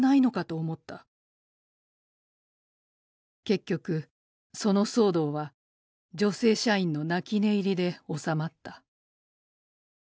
「結局その騒動は女性社員の泣き寝入りで収まった」